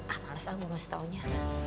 ah males aku gak usah taunya